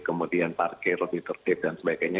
kemudian parkir lebih tertib dan sebagainya